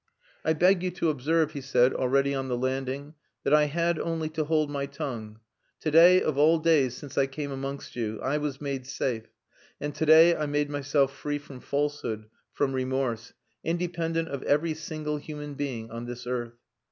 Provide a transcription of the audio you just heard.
"I beg you to observe," he said, already on the landing, "that I had only to hold my tongue. To day, of all days since I came amongst you, I was made safe, and to day I made myself free from falsehood, from remorse independent of every single human being on this earth."